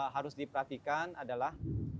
harus diperhatikan adalah